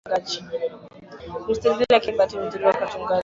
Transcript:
mustelids lakini kwa bahati nzuri kwa wachungaji